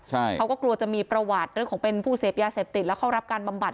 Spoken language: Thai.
ใช่เขาก็กลัวจะมีประวัติเรื่องของเป็นผู้เสพยาเสพติดแล้วเข้ารับการบำบัด